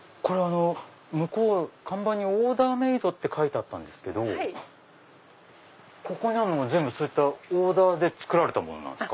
看板にオーダーメイドって書いてあったんですけどここにあるのはオーダーで作られたものなんですか？